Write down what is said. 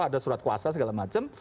ada surat kuasa segala macam